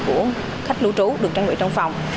của khách lưu trú được trang bị trong phòng